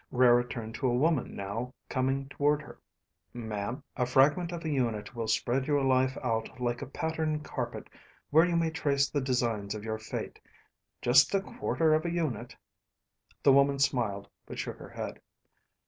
Rara turned to a woman now coming toward her. "Ma'am, a fragment of a unit will spread your life out like a patterned carpet where you may trace the designs of your fate. Just a quarter of a unit ..." The woman smiled, but shook her head.